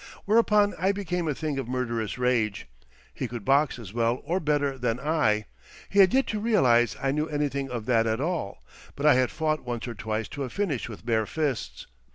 Whereupon I became a thing of murderous rage. He could box as well or better than I—he had yet to realise I knew anything of that at all—but I had fought once or twice to a finish with bare fists.